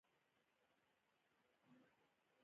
څرنګه د یوه مرکزي مفهوم پر محور څرخېدای شي.